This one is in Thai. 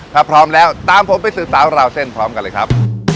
ถ้าพร้อมแล้วตามผมไปสื่อสาวราวเส้นพร้อมกันเลยครับ